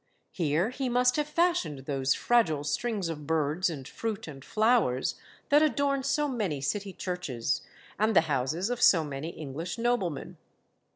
Here he must have fashioned those fragile strings of birds and fruit and flowers that adorn so many city churches, and the houses of so many English noblemen.